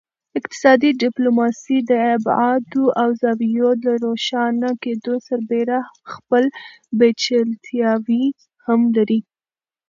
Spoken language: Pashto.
اقتصادي ډیپلوماسي د ابعادو او زاویو د روښانه کیدو سربیره خپل پیچلتیاوې هم لري